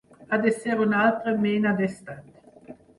Ha de ser un altra mena d’estat.